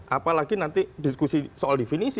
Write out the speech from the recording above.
apalagi nanti diskusi soal definisi